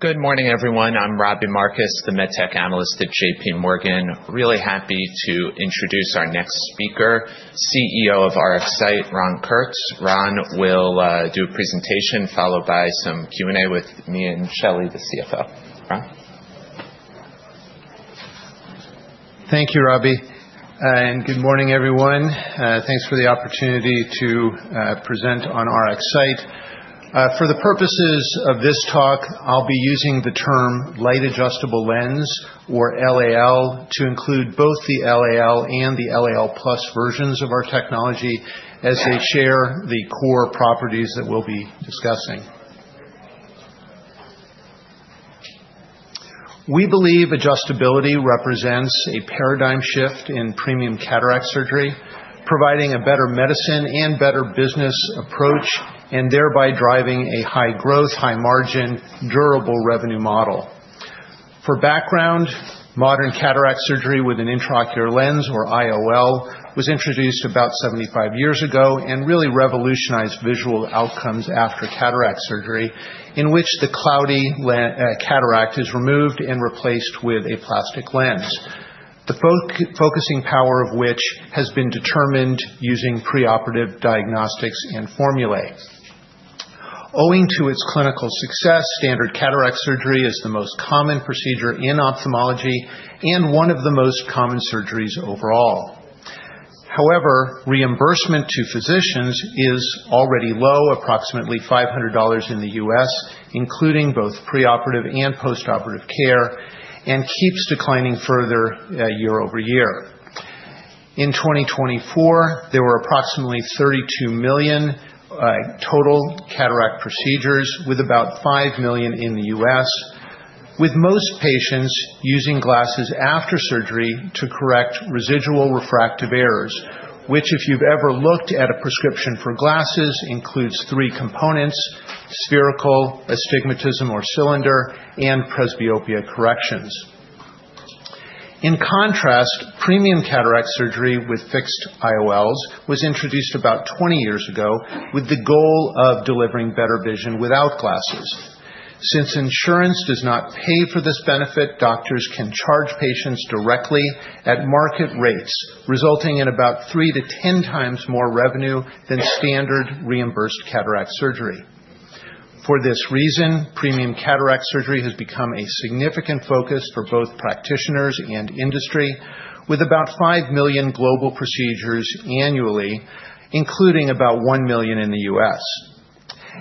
Good morning, everyone. I'm Robbie Marcus, the MedTech analyst at JPMorgan. Really happy to introduce our next speaker, CEO of RxSight, Ron Kurtz. Ron will do a presentation followed by some Q&A with me and Shelley, the CFO. Ron? Thank you, Robbie, and good morning, everyone. Thanks for the opportunity to present on RxSight. For the purposes of this talk, I'll be using the term "Light Adjustable Lens," or LAL, to include both the LAL and the LAL+ versions of our technology as they share the core properties that we'll be discussing. We believe adjustability represents a paradigm shift in premium cataract surgery, providing a better medicine and better business approach, and thereby driving a high-growth, high-margin, durable revenue model. For background, modern cataract surgery with an Intraocular Lens, or IOL, was introduced about 75 years ago and really revolutionized visual outcomes after cataract surgery, in which the cloudy cataract is removed and replaced with a plastic lens, the focusing power of which has been determined using preoperative diagnostics and formulae. Owing to its clinical success, standard cataract surgery is the most common procedure in ophthalmology and one of the most common surgeries overall. However, reimbursement to physicians is already low, approximately $500 in the U.S., including both preoperative and postoperative care, and keeps declining further year over year. In 2024, there were approximately 32 million total cataract procedures, with about 5 million in the U.S., with most patients using glasses after surgery to correct residual refractive errors, which, if you've ever looked at a prescription for glasses, includes three components: spherical, astigmatism or cylinder, and presbyopia corrections. In contrast, premium cataract surgery with fixed IOLs was introduced about 20 years ago with the goal of delivering better vision without glasses. Since insurance does not pay for this benefit, doctors can charge patients directly at market rates, resulting in about three to 10x more revenue than standard reimbursed cataract surgery. For this reason, premium cataract surgery has become a significant focus for both practitioners and industry, with about five million global procedures annually, including about one million in the U.S.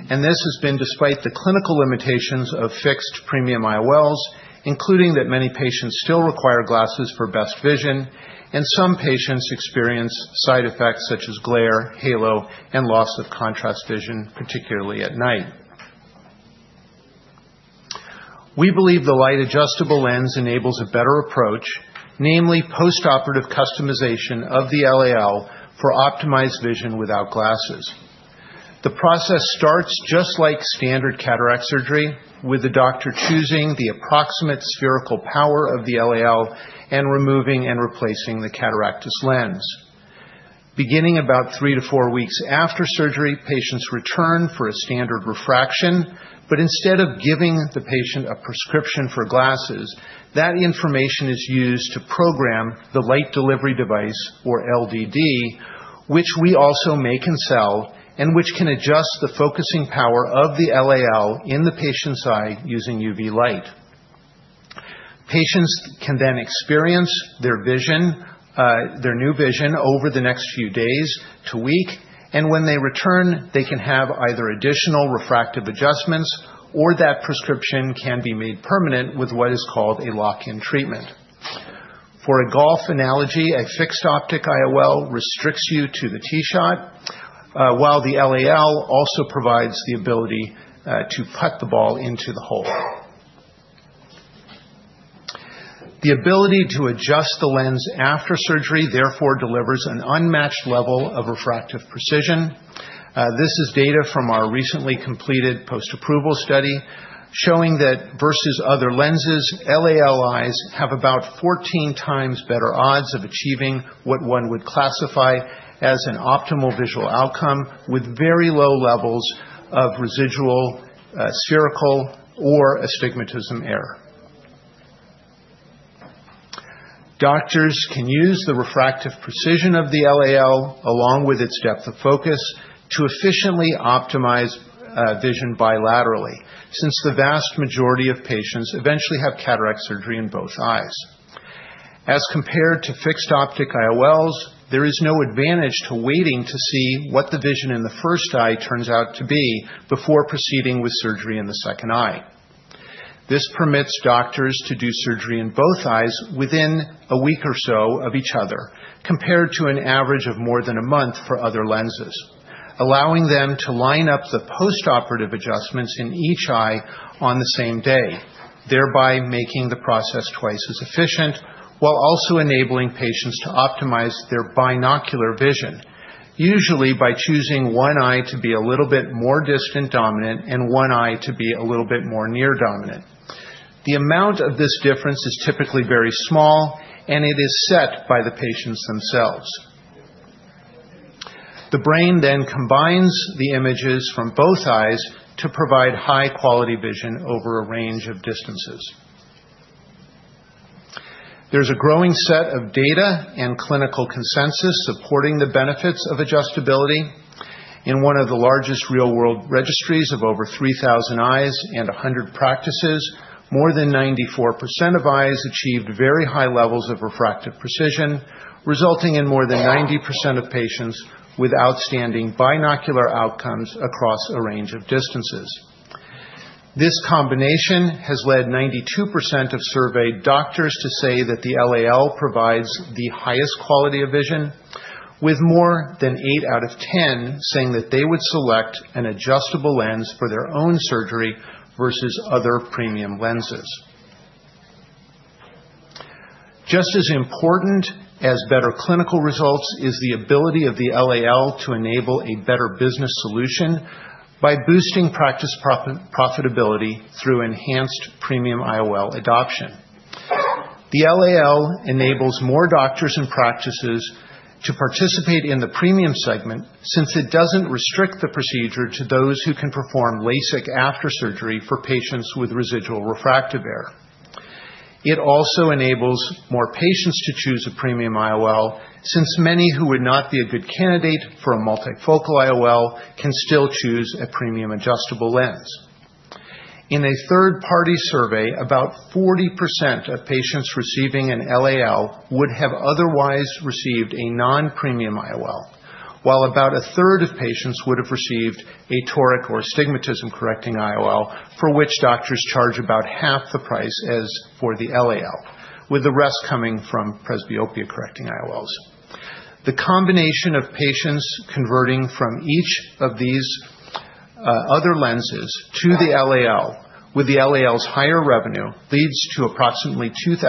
And this has been despite the clinical limitations of fixed premium IOLs, including that many patients still require glasses for best vision, and some patients experience side effects such as glare, halo, and loss of contrast vision, particularly at night. We believe the light adjustable lens enables a better approach, namely postoperative customization of the LAL for optimized vision without glasses. The process starts just like standard cataract surgery, with the doctor choosing the approximate spherical power of the LAL and removing and replacing the cataract lens. Beginning about three to four weeks after surgery, patients return for a standard refraction, but instead of giving the patient a prescription for glasses, that information is used to program the Light Delivery Device, or LDD, which we also make and sell, and which can adjust the focusing power of the LAL in the patient's eye using UV light. Patients can then experience their new vision over the next few days to week, and when they return, they can have either additional refractive adjustments or that prescription can be made permanent with what is called a lock-in treatment. For a golf analogy, a fixed optic IOL restricts you to the tee shot, while the LAL also provides the ability to put the ball into the hole. The ability to adjust the lens after surgery, therefore, delivers an unmatched level of refractive precision. This is data from our recently completed post-approval study showing that versus other lenses, LAL eyes have about 14x better odds of achieving what one would classify as an optimal visual outcome with very low levels of residual spherical or astigmatism error. Doctors can use the refractive precision of the LAL, along with its depth of focus, to efficiently optimize vision bilaterally, since the vast majority of patients eventually have cataract surgery in both eyes. As compared to fixed optic IOLs, there is no advantage to waiting to see what the vision in the first eye turns out to be before proceeding with surgery in the second eye. This permits doctors to do surgery in both eyes within a week or so of each other, compared to an average of more than a month for other lenses, allowing them to line up the postoperative adjustments in each eye on the same day, thereby making the process twice as efficient while also enabling patients to optimize their binocular vision, usually by choosing one eye to be a little bit more distance dominant and one eye to be a little bit more near dominant. The amount of this difference is typically very small, and it is set by the patients themselves. The brain then combines the images from both eyes to provide high-quality vision over a range of distances. There's a growing set of data and clinical consensus supporting the benefits of adjustability. In one of the largest real-world registries of over 3,000 eyes and 100 practices, more than 94% of eyes achieved very high levels of refractive precision, resulting in more than 90% of patients with outstanding binocular outcomes across a range of distances. This combination has led 92% of surveyed doctors to say that the LAL provides the highest quality of vision, with more than eight out of 10 saying that they would select an adjustable lens for their own surgery versus other premium lenses. Just as important as better clinical results is the ability of the LAL to enable a better business solution by boosting practice profitability through enhanced premium IOL adoption. The LAL enables more doctors and practices to participate in the premium segment since it doesn't restrict the procedure to those who can perform LASIK after surgery for patients with residual refractive error. It also enables more patients to choose a premium IOL since many who would not be a good candidate for a multifocal IOL can still choose a premium adjustable lens. In a third-party survey, about 40% of patients receiving an LAL would have otherwise received a non-premium IOL, while about a third of patients would have received a toric or astigmatism-correcting IOL, for which doctors charge about half the price as for the LAL, with the rest coming from presbyopia-correcting IOLs. The combination of patients converting from each of these other lenses to the LAL, with the LAL's higher revenue, leads to approximately $2,000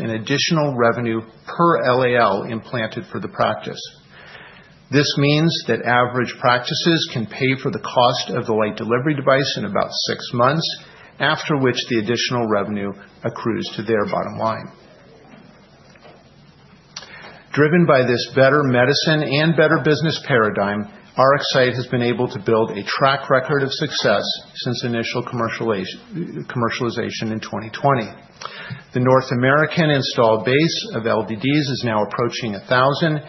in additional revenue per LAL implanted for the practice. This means that average practices can pay for the cost of the light delivery device in about six months, after which the additional revenue accrues to their bottom line. Driven by this better medicine and better business paradigm, RxSight has been able to build a track record of success since initial commercialization in 2020. The North American installed base of LDDs is now approaching 1,000,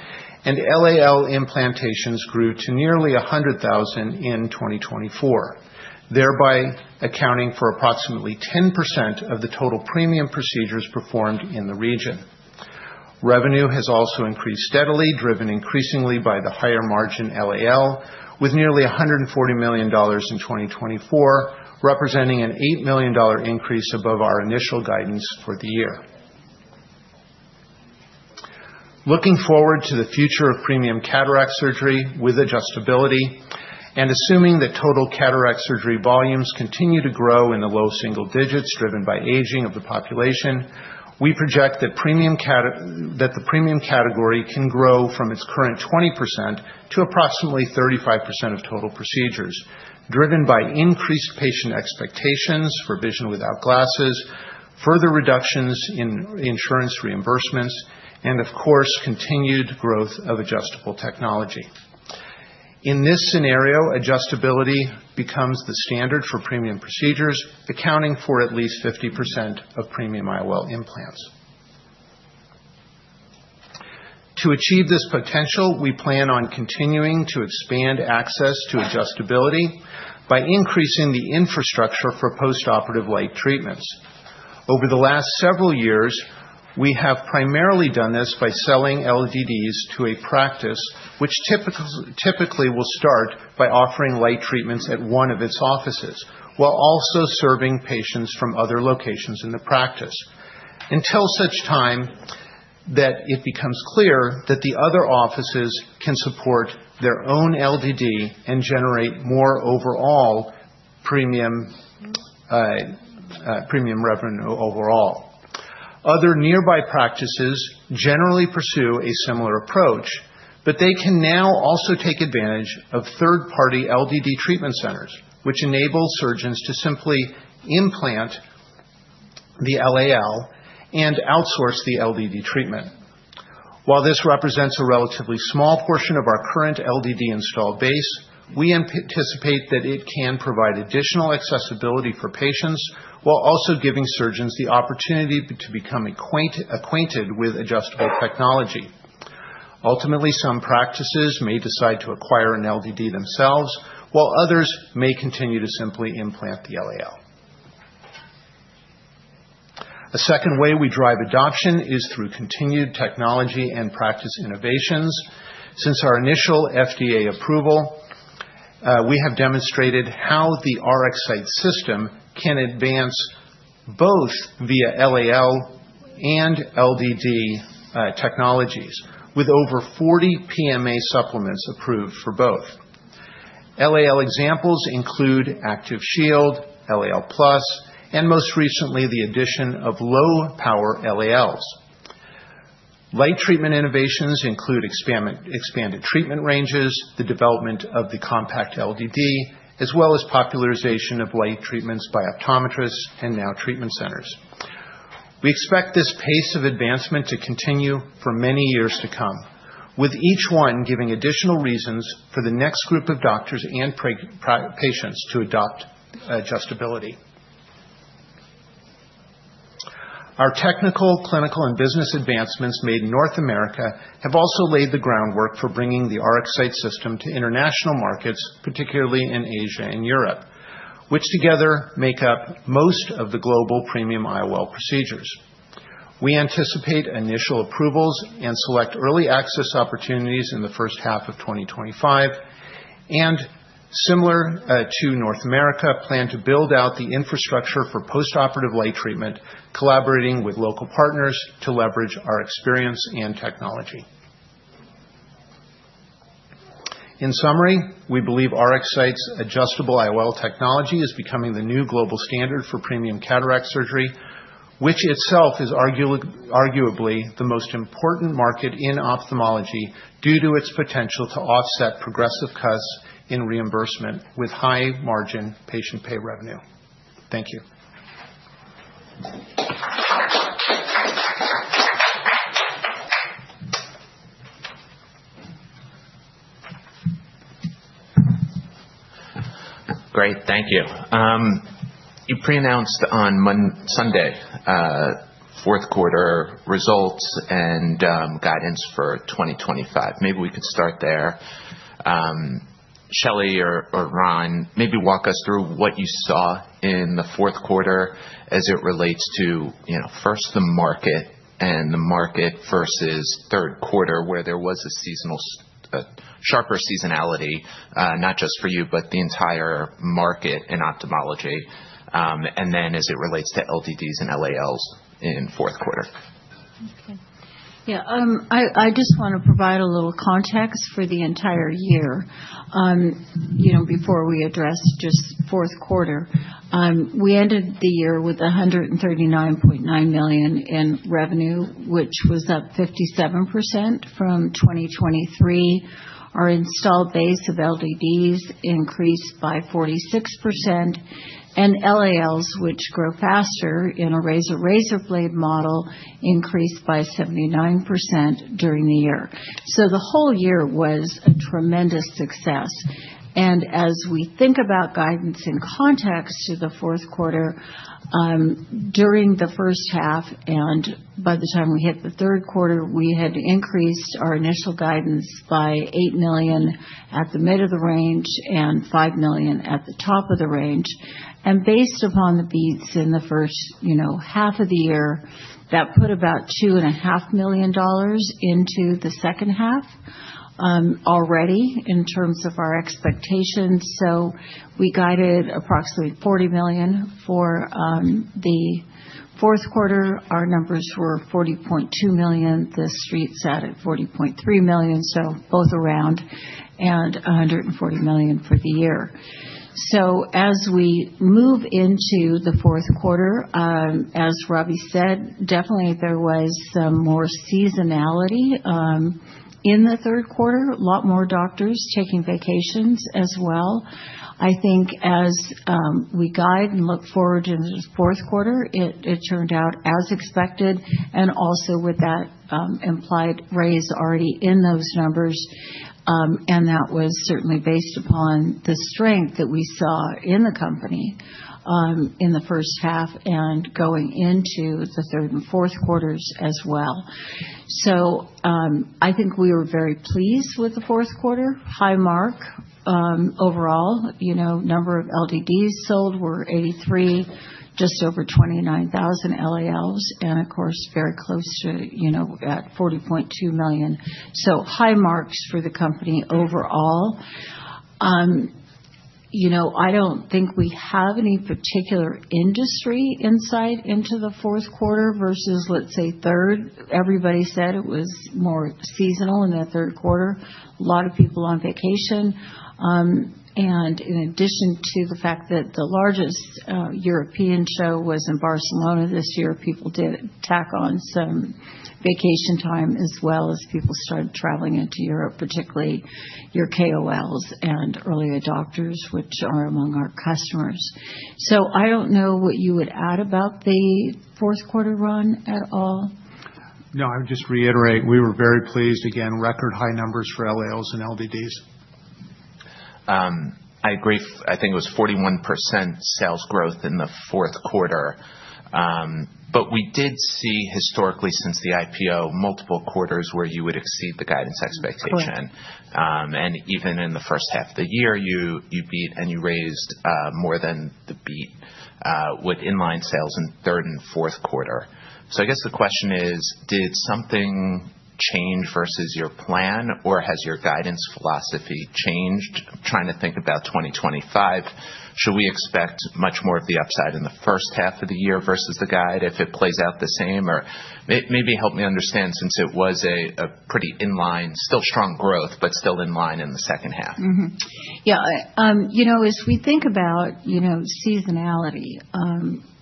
and LAL implantations grew to nearly 100,000 in 2024, thereby accounting for approximately 10% of the total premium procedures performed in the region. Revenue has also increased steadily, driven increasingly by the higher-margin LAL, with nearly $140 million in 2024, representing an $8 million increase above our initial guidance for the year. Looking forward to the future of premium cataract surgery with adjustability, and assuming that total cataract surgery volumes continue to grow in the low single digits driven by aging of the population, we project that the premium category can grow from its current 20% to approximately 35% of total procedures, driven by increased patient expectations for vision without glasses, further reductions in insurance reimbursements, and, of course, continued growth of adjustable technology. In this scenario, adjustability becomes the standard for premium procedures, accounting for at least 50% of premium IOL implants. To achieve this potential, we plan on continuing to expand access to adjustability by increasing the infrastructure for postoperative light treatments. Over the last several years, we have primarily done this by selling LDDs to a practice, which typically will start by offering light treatments at one of its offices, while also serving patients from other locations in the practice, until such time that it becomes clear that the other offices can support their own LDD and generate more overall premium revenue. Other nearby practices generally pursue a similar approach, but they can now also take advantage of third-party LDD treatment centers, which enable surgeons to simply implant the LAL and outsource the LDD treatment. While this represents a relatively small portion of our current LDD installed base, we anticipate that it can provide additional accessibility for patients while also giving surgeons the opportunity to become acquainted with adjustable technology. Ultimately, some practices may decide to acquire an LDD themselves, while others may continue to simply implant the LAL. A second way we drive adoption is through continued technology and practice innovations. Since our initial FDA approval, we have demonstrated how the RxSight system can advance both via LAL and LDD technologies, with over 40 PMA supplements approved for both. LAL examples include ActiveShield, LAL Plus, and most recently, the addition of low-power LALs. Light treatment innovations include expanded treatment ranges, the development of the Compact LDD, as well as popularization of light treatments by optometrists and now treatment centers. We expect this pace of advancement to continue for many years to come, with each one giving additional reasons for the next group of doctors and patients to adopt adjustability. Our technical, clinical, and business advancements made in North America have also laid the groundwork for bringing the RxSight system to international markets, particularly in Asia and Europe, which together make up most of the global premium IOL procedures. We anticipate initial approvals and select early access opportunities in the first half of 2025, and similar to North America, plan to build out the infrastructure for postoperative light treatment, collaborating with local partners to leverage our experience and technology. In summary, we believe RxSight's adjustable IOL technology is becoming the new global standard for premium cataract surgery, which itself is arguably the most important market in ophthalmology due to its potential to offset progressive costs in reimbursement with high-margin patient pay revenue. Thank you. Great. Thank you. You pre-announced on Sunday fourth-quarter results and guidance for 2025. Maybe we could start there. Shelley or Ron, maybe walk us through what you saw in the fourth quarter as it relates to, first, the market and the market versus third quarter, where there was a sharper seasonality, not just for you, but the entire market and ophthalmology, and then as it relates to LDDs and LALs in fourth quarter? Okay. Yeah. I just want to provide a little context for the entire year before we address just fourth quarter. We ended the year with $139.9 million in revenue, which was up 57% from 2023. Our installed base of LDDs increased by 46%, and LALs, which grow faster in a razor-blade model, increased by 79% during the year. So the whole year was a tremendous success. And as we think about guidance in context to the fourth quarter, during the first half and by the time we hit the third quarter, we had increased our initial guidance by $8 million at the mid of the range and $5 million at the top of the range. And based upon the beats in the first half of the year, that put about $2.5 million into the second half already in terms of our expectations. So we guided approximately $40 million for the fourth quarter. Our numbers were $40.2 million. The street sat at $40.3 million, so both around, and $140 million for the year. So as we move into the fourth quarter, as Robbie said, definitely there was some more seasonality in the third quarter, a lot more doctors taking vacations as well. I think as we guide and look forward to the fourth quarter, it turned out as expected, and also with that implied raise already in those numbers, and that was certainly based upon the strength that we saw in the company in the first half and going into the third and fourth quarters as well. So I think we were very pleased with the fourth quarter, high mark overall. Number of LDDs sold were 83, just over 29,000 LALs, and of course, very close to at $40.2 million. So high marks for the company overall. I don't think we have any particular industry insight into the fourth quarter versus, let's say, third. Everybody said it was more seasonal in that third quarter, a lot of people on vacation. And in addition to the fact that the largest European show was in Barcelona this year, people did tack on some vacation time as well as people started traveling into Europe, particularly your KOLs and early adopters, which are among our customers. So I don't know what you would add about the fourth quarter run at all. No, I would just reiterate, we were very pleased, again, record high numbers for LALs and LDDs. I agree. I think it was 41% sales growth in the fourth quarter. But we did see historically since the IPO multiple quarters where you would exceed the guidance expectation. And even in the first half of the year, you beat and you raised more than the beat with inline sales in third and fourth quarter. So I guess the question is, did something change versus your plan, or has your guidance philosophy changed? I'm trying to think about 2025. Should we expect much more of the upside in the first half of the year versus the guide if it plays out the same? Or maybe help me understand since it was a pretty inline, still strong growth, but still inline in the second half. Yeah. As we think about seasonality,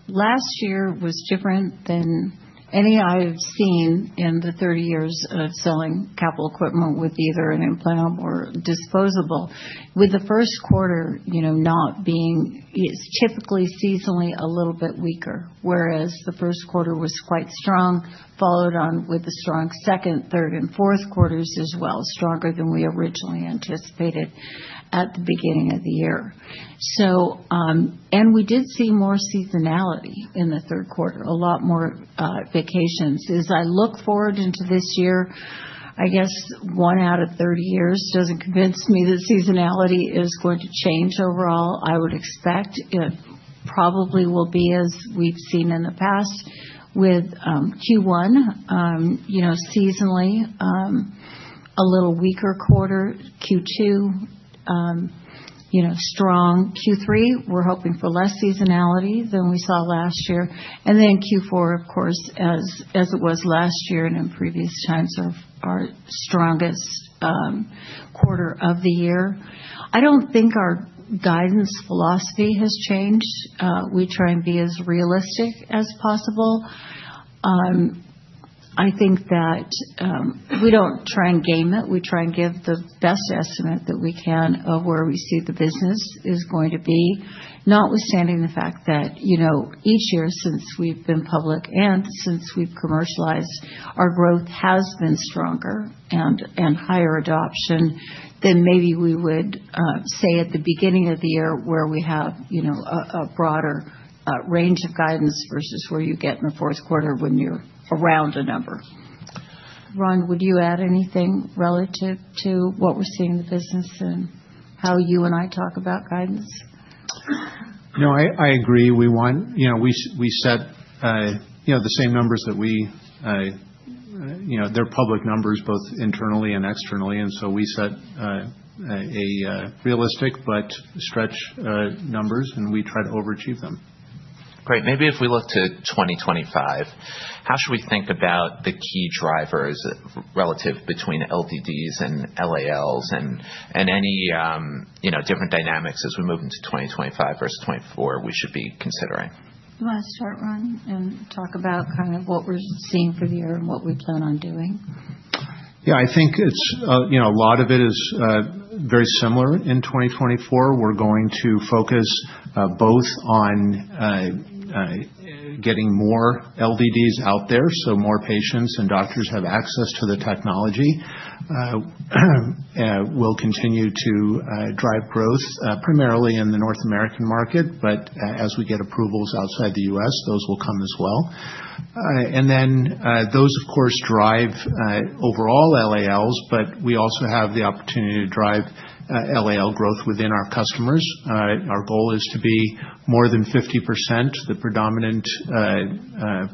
last year was different than any I've seen in the 30 years of selling capital equipment with either an implant or disposable. With the first quarter not being, it's typically seasonally a little bit weaker, whereas the first quarter was quite strong, followed on with a strong second, third, and fourth quarters as well, stronger than we originally anticipated at the beginning of the year, and we did see more seasonality in the third quarter, a lot more vacations. As I look forward into this year, I guess one out of 30 years doesn't convince me that seasonality is going to change overall. I would expect it probably will be as we've seen in the past with Q1, seasonally a little weaker quarter, Q2 strong. Q3, we're hoping for less seasonality than we saw last year. And then Q4, of course, as it was last year and in previous times, our strongest quarter of the year. I don't think our guidance philosophy has changed. We try and be as realistic as possible. I think that we don't try and game it. We try and give the best estimate that we can of where we see the business is going to be, notwithstanding the fact that each year since we've been public and since we've commercialized, our growth has been stronger and higher adoption than maybe we would say at the beginning of the year where we have a broader range of guidance versus where you get in the fourth quarter when you're around a number. Ron, would you add anything relative to what we're seeing the business and how you and I talk about guidance? No, I agree. We set the same numbers that we their public numbers both internally and externally, and so we set a realistic but stretch numbers, and we try to overachieve them. Great. Maybe if we look to 2025, how should we think about the key drivers relative between LDDs and LALs and any different dynamics as we move into 2025 versus 2024 we should be considering? Do you want to start, Ron, and talk about kind of what we're seeing for the year and what we plan on doing? Yeah. I think a lot of it is very similar in 2024. We're going to focus both on getting more LDDs out there so more patients and doctors have access to the technology. We'll continue to drive growth primarily in the North American market, but as we get approvals outside the U.S., those will come as well. And then those, of course, drive overall LALs, but we also have the opportunity to drive LAL growth within our customers. Our goal is to be more than 50% the predominant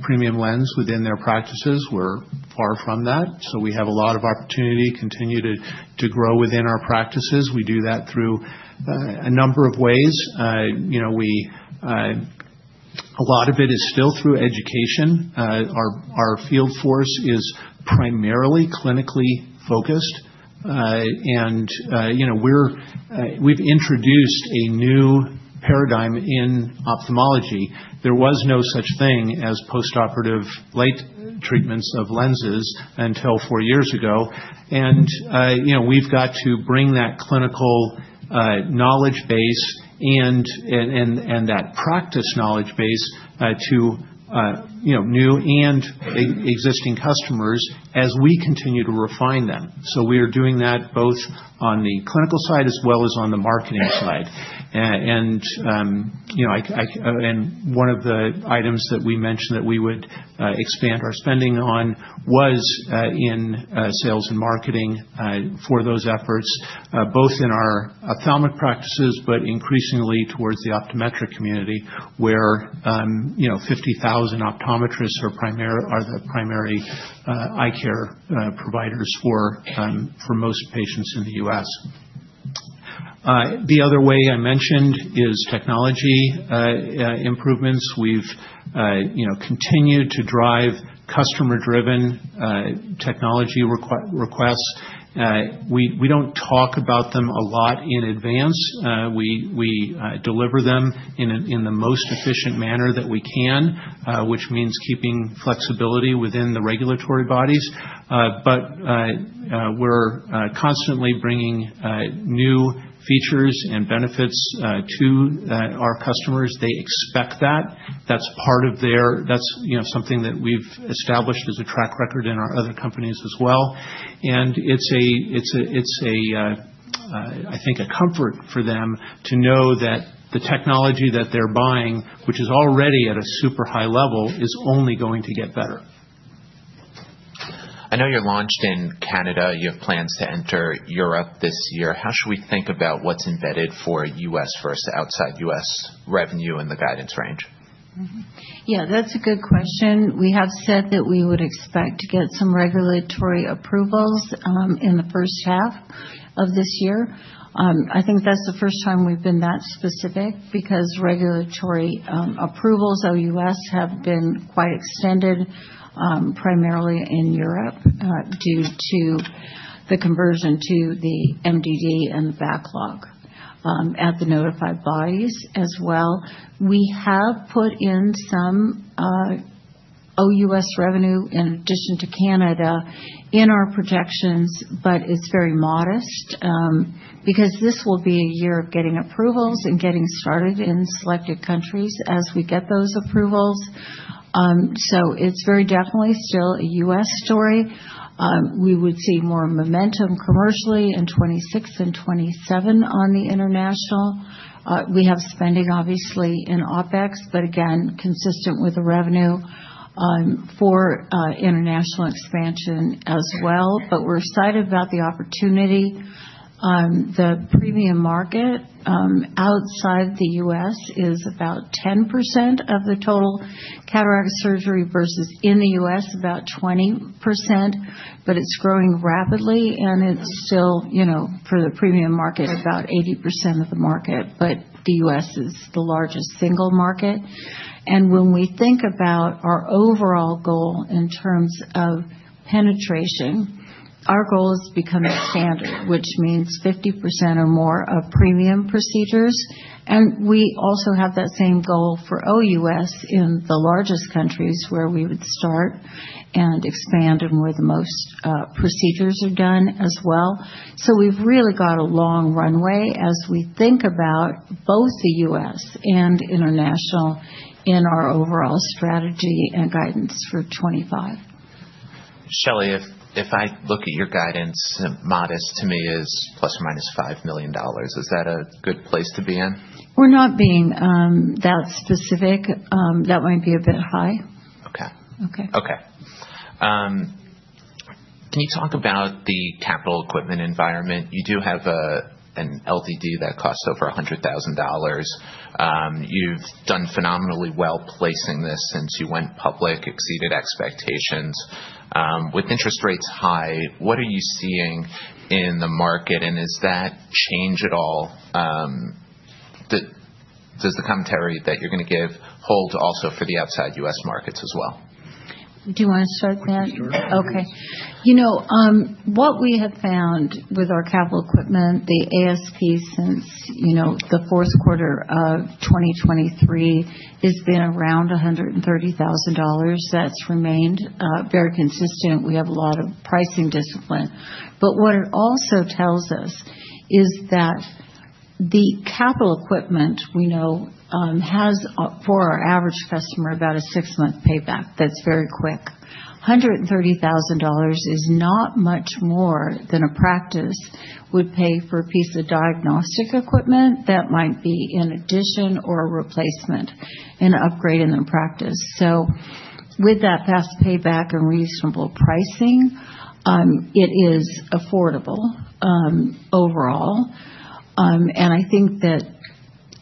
premium lens within their practices. We're far from that. So we have a lot of opportunity to continue to grow within our practices. We do that through a number of ways. A lot of it is still through education. Our field force is primarily clinically focused, and we've introduced a new paradigm in ophthalmology. There was no such thing as postoperative light treatments of lenses until four years ago. And we've got to bring that clinical knowledge base and that practice knowledge base to new and existing customers as we continue to refine them. So we are doing that both on the clinical side as well as on the marketing side. And one of the items that we mentioned that we would expand our spending on was in sales and marketing for those efforts, both in our ophthalmic practices, but increasingly towards the optometric community where 50,000 optometrists are the primary eye care providers for most patients in the U.S. The other way I mentioned is technology improvements. We've continued to drive customer-driven technology requests. We don't talk about them a lot in advance. We deliver them in the most efficient manner that we can, which means keeping flexibility within the regulatory bodies. But we're constantly bringing new features and benefits to our customers. They expect that. That's part of that. That's something that we've established as a track record in our other companies as well. And it's a, I think, a comfort for them to know that the technology that they're buying, which is already at a super high level, is only going to get better. I know you're launched in Canada. You have plans to enter Europe this year. How should we think about what's embedded for U.S. versus outside U.S. revenue in the guidance range? Yeah, that's a good question. We have said that we would expect to get some regulatory approvals in the first half of this year. I think that's the first time we've been that specific because regulatory approvals O.U.S. have been quite extended primarily in Europe due to the conversion to the MDD and the backlog at the notified bodies as well. We have put in some O.U.S. revenue in addition to Canada in our projections, but it's very modest because this will be a year of getting approvals and getting started in selected countries as we get those approvals. So it's very definitely still a U.S. story. We would see more momentum commercially in 2026 and 2027 on the international. We have spending, obviously, in OpEx, but again, consistent with the revenue for international expansion as well. But we're excited about the opportunity. The premium market outside the U.S. is about 10% of the total cataract surgery versus in the U.S. about 20%, but it's growing rapidly, and it's still, for the premium market, about 80% of the market. But the U.S. is the largest single market. And when we think about our overall goal in terms of penetration, our goal has become standard, which means 50% or more of premium procedures. And we also have that same goal for O.U.S. in the largest countries where we would start and expand and where the most procedures are done as well. So we've really got a long runway as we think about both the U.S. and international in our overall strategy and guidance for 2025. Shelley, if I look at your guidance, modest to me is plus or minus $5 million. Is that a good place to be in? We're not being that specific. That might be a bit high. Okay. Okay. Can you talk about the capital equipment environment? You do have an LDD that costs over $100,000. You've done phenomenally well placing this since you went public, exceeded expectations. With interest rates high, what are you seeing in the market, and is that change at all? Does the commentary that you're going to give hold also for the outside U.S. markets as well? Do you want to start there? Yes, please, your turn. Okay. What we have found with our capital equipment, the ASP since the fourth quarter of 2023 has been around $130,000. That's remained very consistent. We have a lot of pricing discipline. But what it also tells us is that the capital equipment we know has for our average customer about a six-month payback that's very quick. $130,000 is not much more than a practice would pay for a piece of diagnostic equipment that might be in addition or a replacement, an upgrade in their practice. So with that fast payback and reasonable pricing, it is affordable overall. And I think that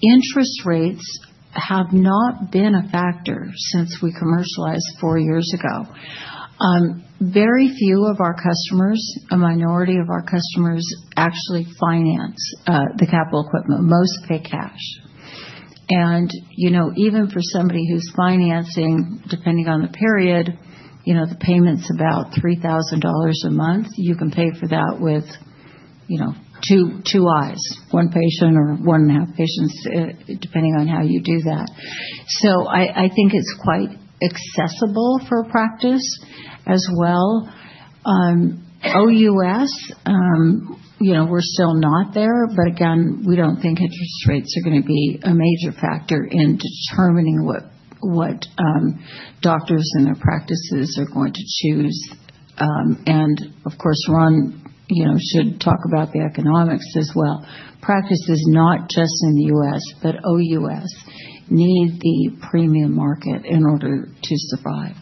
interest rates have not been a factor since we commercialized four years ago. Very few of our customers, a minority of our customers, actually finance the capital equipment. Most pay cash. And even for somebody who's financing, depending on the period, the payment's about $3,000 a month. You can pay for that with two eyes, one patient or one and a half patients, depending on how you do that. So I think it's quite accessible for a practice as well. OUS, we're still not there, but again, we don't think interest rates are going to be a major factor in determining what doctors and their practices are going to choose. And of course, Ron should talk about the economics as well. Practices, not just in the U.S., but OUS need the premium market in order to survive.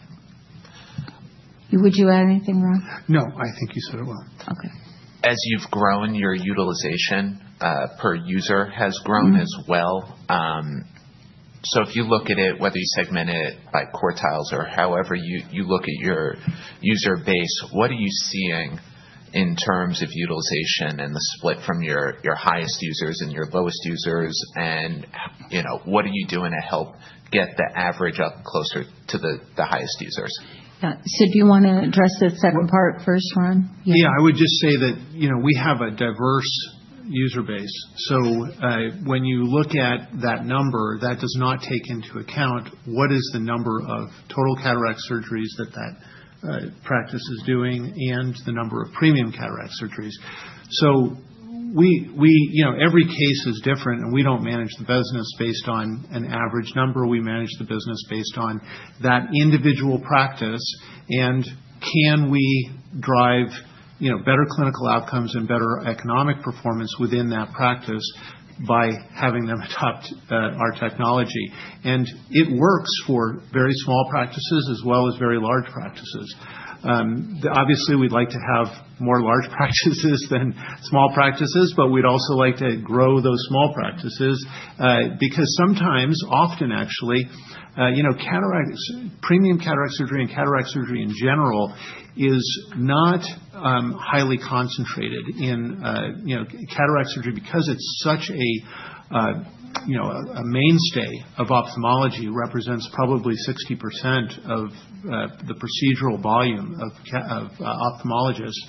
Would you add anything, Ron? No, I think you said it well. Okay. As you've grown, your utilization per user has grown as well. So if you look at it, whether you segment it by quartiles or however you look at your user base, what are you seeing in terms of utilization and the split from your highest users and your lowest users? And what are you doing to help get the average up closer to the highest users? Yeah. So do you want to address the second part first, Ron? Yeah. I would just say that we have a diverse user base. So when you look at that number, that does not take into account what is the number of total cataract surgeries that that practice is doing and the number of premium cataract surgeries. So every case is different, and we don't manage the business based on an average number. We manage the business based on that individual practice and can we drive better clinical outcomes and better economic performance within that practice by having them adopt our technology. And it works for very small practices as well as very large practices. Obviously, we'd like to have more large practices than small practices, but we'd also like to grow those small practices because sometimes, often actually, premium cataract surgery and cataract surgery in general is not highly concentrated in cataract surgery because it's such a mainstay of ophthalmology, represents probably 60% of the procedural volume of ophthalmologists.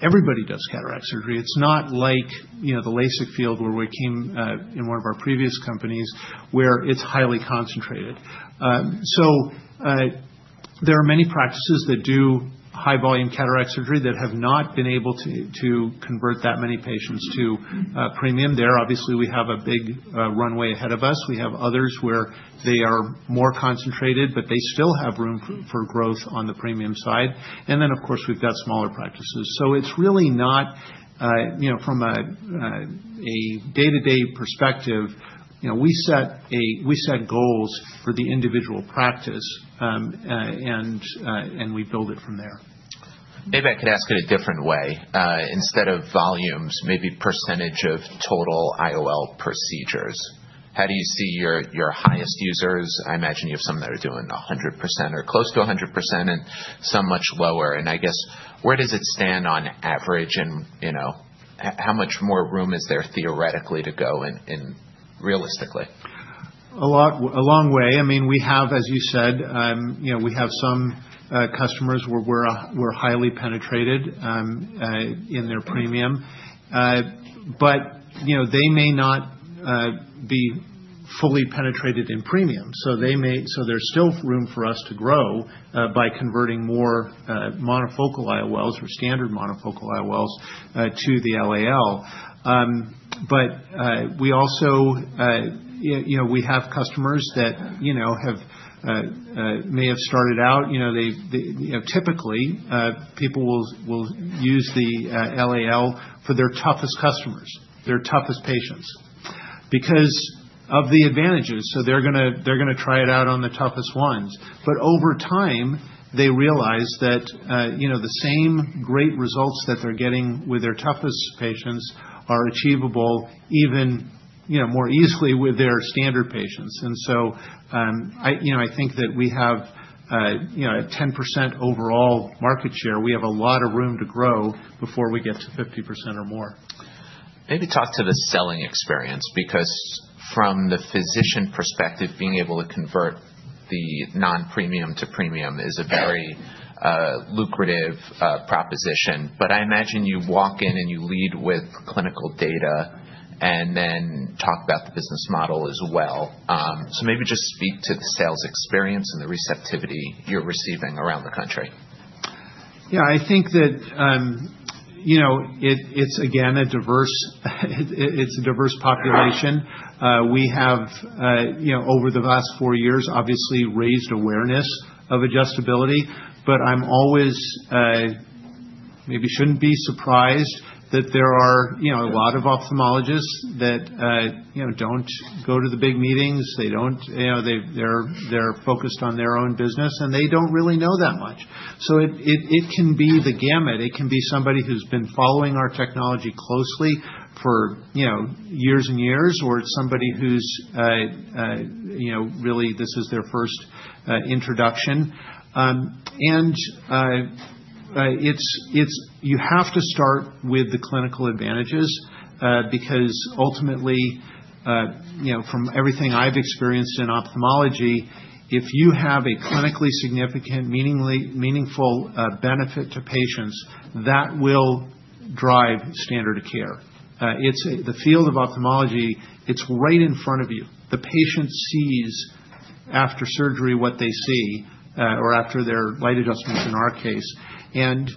Everybody does cataract surgery. It's not like the LASIK field where we came in one of our previous companies where it's highly concentrated. So there are many practices that do high-volume cataract surgery that have not been able to convert that many patients to premium. There, obviously, we have a big runway ahead of us. We have others where they are more concentrated, but they still have room for growth on the premium side. And then, of course, we've got smaller practices. So it's really not from a day-to-day perspective. We set goals for the individual practice, and we build it from there. Maybe I could ask it a different way. Instead of volumes, maybe percentage of total IOL procedures. How do you see your highest users? I imagine you have some that are doing 100% or close to 100% and some much lower. And I guess, where does it stand on average? And how much more room is there theoretically to go in realistically? A long way. I mean, we have, as you said, we have some customers where we're highly penetrated in their premium, but they may not be fully penetrated in premium, so there's still room for us to grow by converting more monofocal IOLs or standard monofocal IOLs to the LAL, but we also have customers that may have started out. Typically, people will use the LAL for their toughest customers, their toughest patients because of the advantages, so they're going to try it out on the toughest ones, but over time, they realize that the same great results that they're getting with their toughest patients are achievable even more easily with their standard patients, and so I think that we have a 10% overall market share. We have a lot of room to grow before we get to 50% or more. Maybe talk to the selling experience because from the physician perspective, being able to convert the non-premium to premium is a very lucrative proposition. But I imagine you walk in and you lead with clinical data and then talk about the business model as well. So maybe just speak to the sales experience and the receptivity you're receiving around the country. Yeah. I think that it's, again, a diverse population. We have, over the last four years, obviously raised awareness of adjustability. But I'm always maybe shouldn't be surprised that there are a lot of ophthalmologists that don't go to the big meetings. They're focused on their own business, and they don't really know that much. So it can be the gamut. It can be somebody who's been following our technology closely for years and years, or it's somebody who's really, this is their first introduction. And you have to start with the clinical advantages because ultimately, from everything I've experienced in ophthalmology, if you have a clinically significant, meaningful benefit to patients, that will drive standard of care. The field of ophthalmology, it's right in front of you. The patient sees after surgery what they see or after their light adjustments, in our case. And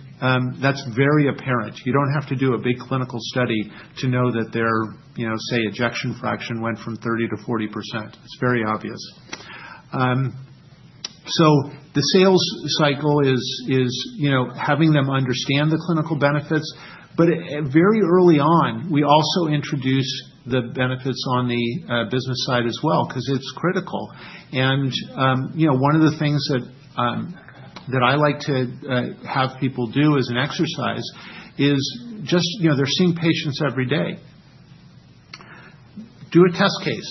that's very apparent. You don't have to do a big clinical study to know that their, say, ejection fraction went from 30%-40%. It's very obvious, so the sales cycle is having them understand the clinical benefits, but very early on, we also introduce the benefits on the business side as well because it's critical, and one of the things that I like to have people do as an exercise is just they're seeing patients every day. Do a test case.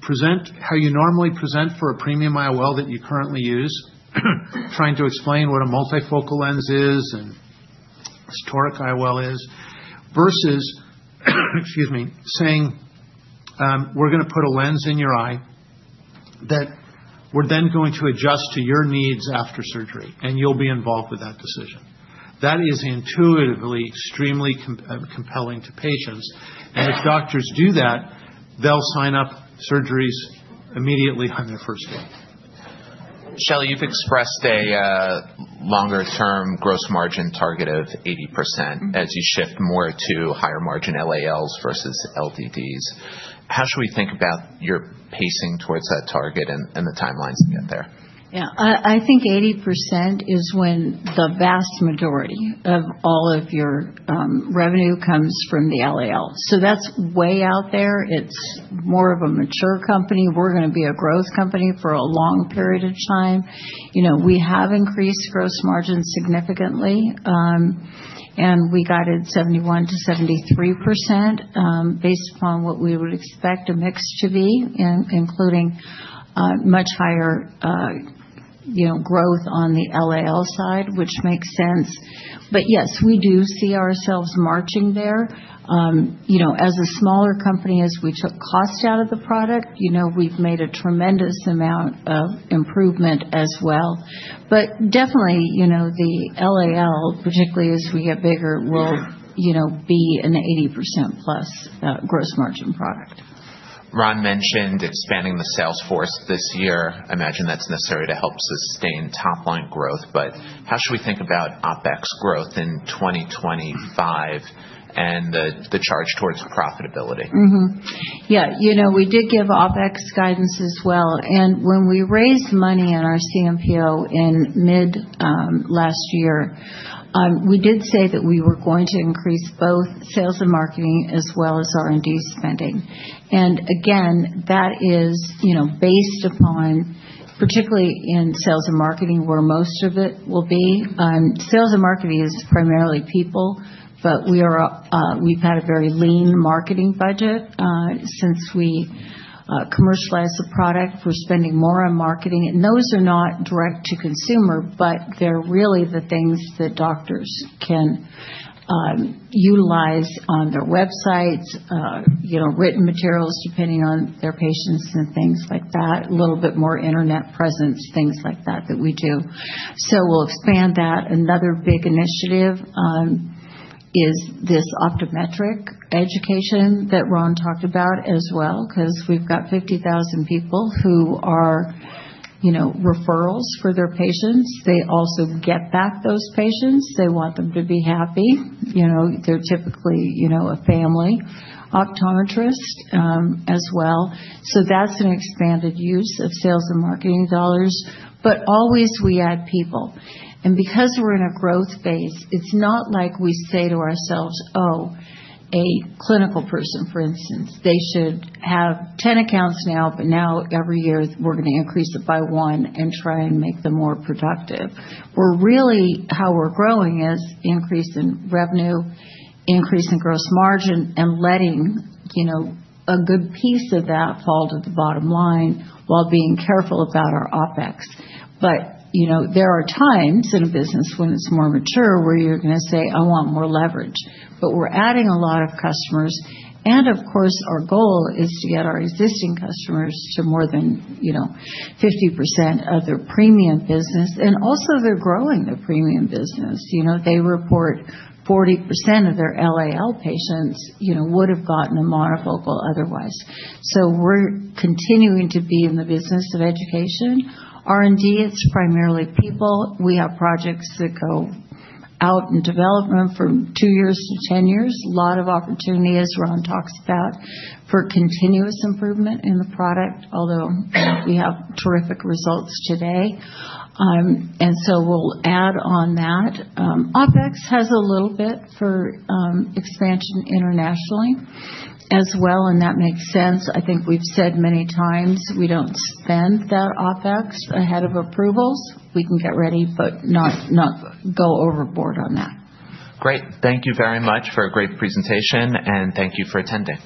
Present how you normally present for a premium IOL that you currently use, trying to explain what a multifocal lens is and what a toric IOL is versus, excuse me, saying, "We're going to put a lens in your eye that we're then going to adjust to your needs after surgery, and you'll be involved with that decision." That is intuitively extremely compelling to patients. If doctors do that, they'll sign up surgeries immediately on their first day. Shelley, you've expressed a longer-term gross margin target of 80% as you shift more to higher-margin LALs versus LDDs. How should we think about your pacing towards that target and the timelines to get there? Yeah. I think 80% is when the vast majority of all of your revenue comes from the LAL. So that's way out there. It's more of a mature company. We're going to be a growth company for a long period of time. We have increased gross margins significantly, and we got it 71%-73% based upon what we would expect a mix to be, including much higher growth on the LAL side, which makes sense. But yes, we do see ourselves marching there. As a smaller company, as we took cost out of the product, we've made a tremendous amount of improvement as well. But definitely, the LAL, particularly as we get bigger, will be an 80% plus gross margin product. Ron mentioned expanding the sales force this year. I imagine that's necessary to help sustain top-line growth. But how should we think about OpEx growth in 2025 and the charge towards profitability? Yeah. We did give OpEx guidance as well. And when we raised money in our CMPO in mid-last year, we did say that we were going to increase both sales and marketing as well as R&D spending. And again, that is based upon, particularly in sales and marketing, where most of it will be. Sales and marketing is primarily people, but we've had a very lean marketing budget since we commercialized the product. We're spending more on marketing. And those are not direct to consumer, but they're really the things that doctors can utilize on their websites, written materials depending on their patients and things like that, a little bit more internet presence, things like that that we do. So we'll expand that. Another big initiative is this optometric education that Ron talked about as well because we've got 50,000 people who are referrals for their patients. They also get back those patients. They want them to be happy. They're typically a family optometrist as well. So that's an expanded use of sales and marketing dollars. But always we add people. And because we're in a growth phase, it's not like we say to ourselves, "Oh, a clinical person, for instance, they should have 10 accounts now, but now every year we're going to increase it by one and try and make them more productive." We're really how we're growing is increase in revenue, increase in gross margin, and letting a good piece of that fall to the bottom line while being careful about our OpEx. But there are times in a business when it's more mature where you're going to say, "I want more leverage." But we're adding a lot of customers. And of course, our goal is to get our existing customers to more than 50% of their premium business. And also, they're growing their premium business. They report 40% of their LAL patients would have gotten a monofocal otherwise. So we're continuing to be in the business of education. R&D, it's primarily people. We have projects that go out in development from two years to 10 years. A lot of opportunity as Ron talks about for continuous improvement in the product, although we have terrific results today. And so we'll add on that. OpEx has a little bit for expansion internationally as well, and that makes sense. I think we've said many times we don't spend that OpEx ahead of approvals. We can get ready, but not go overboard on that. Great. Thank you very much for a great presentation, and thank you for attending.